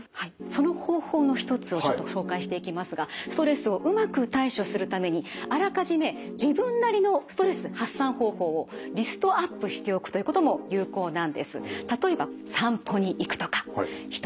その方法の一つをちょっと紹介していきますがストレスをうまく対処するためにあらかじめ自分なりのストレス発散方法をリストアップしておくということも有効なんです。